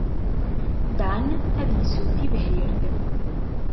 Dan ad yessew tibḥirt.